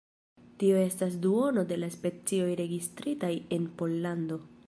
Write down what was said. Tio estas duono de la specioj registritaj en Pollando.